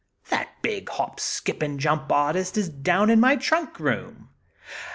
That big hop skip and jump artist is down in my trunk room!